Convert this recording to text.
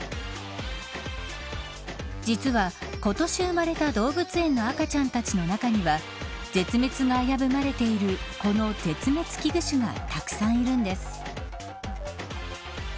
実は今年生まれた動物園の赤ちゃんたちの中には絶滅が危ぶまれているこの絶滅危惧種がたくさんいるんです。